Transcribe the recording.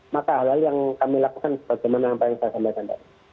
maka hal hal yang kami lakukan sebagaimana yang saya sampaikan tadi